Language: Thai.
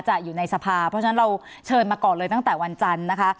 อยู่ในสภาเพราะฉะนั้นเราเชิญมาก่อนเลยตั้งแต่วันจันทร์นะคะ